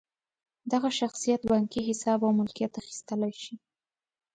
دغه شخصیت بانکي حساب او ملکیت اخیستلی شي.